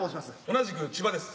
同じく千葉です。